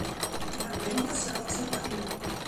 You have made yourself too clear.